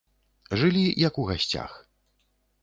Жылі, як у гасцях.